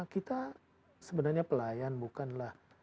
kita sebenarnya pelayan bukanlah